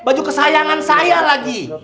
baju kesayangan saya lagi